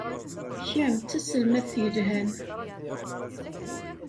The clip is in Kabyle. Kemm d taselmadt yelhan.